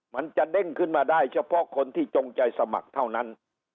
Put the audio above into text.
มันจะเด้งขึ้นมาได้เฉพาะคนที่จงใจสมัครเท่านั้น